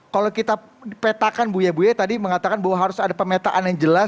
kalau kita petakan buya buya tadi mengatakan bahwa harus ada pemetaan yang jelas